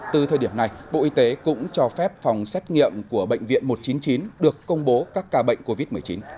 từ thời điểm này bộ y tế cũng cho phép phòng xét nghiệm của bệnh viện một trăm chín mươi chín được công bố các ca bệnh covid một mươi chín